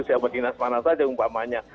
siapa dinas mana saja umpamanya